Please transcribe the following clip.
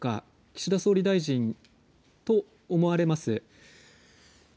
岸田総理大臣と思われます。